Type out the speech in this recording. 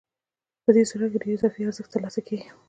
په دې صورت کې ډېر اضافي ارزښت ترلاسه کېږي